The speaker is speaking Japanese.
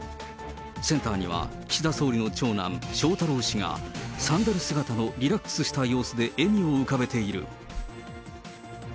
センターには岸田総理の長男、翔太郎氏が、サンダル姿のリラックスした様子で笑みを浮かべている。